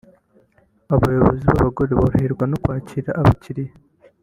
Abayobozi b’abagore boroherwa no kwakira abakiriya